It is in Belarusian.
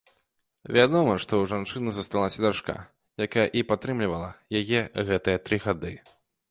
Вядома, што ў жанчыны засталася дачка, якая і падтрымлівала яе гэтыя тры гады.